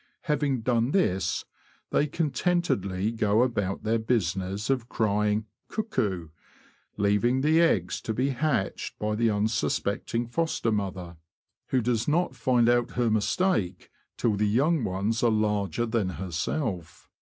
Having done this, they contentedly go about their business of crying ''Cuckoo," leaving the eggs to be hatched by the unsuspecting foster mother, who does not find out her mistake till the young ones are larger than herself.